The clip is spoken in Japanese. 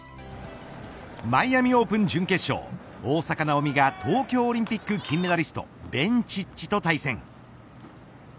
マイアミオープン準決勝大坂なおみが東京オリンピック金メダリストベンチッチと対戦。